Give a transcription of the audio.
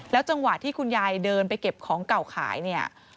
จังหวะที่คุณยายเดินไปเก็บของเก่าขายเนี่ย